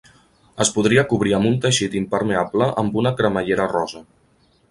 Es podria cobrir amb un teixit impermeable amb una cremallera rosa.